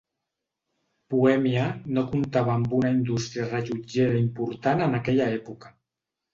Bohèmia no comptava amb una indústria rellotgera important en aquella època.